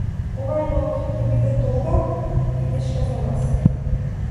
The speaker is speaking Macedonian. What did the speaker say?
Оваа ноќ ке биде, долга и тешка за нас